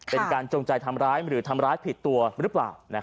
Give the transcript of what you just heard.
จงใจทำร้ายหรือทำร้ายผิดตัวหรือเปล่า